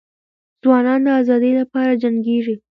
ځوانان د ازادۍ لپاره جنګیږي.